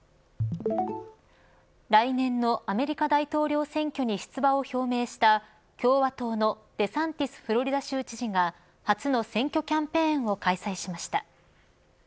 来年のアメリカ大統領選挙に出馬を表明した共和党のデサンティスフロリダ州知事が初の選挙キャンペーンを開催しました。